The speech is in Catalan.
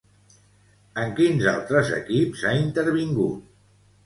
En quins altres equips ha intervingut?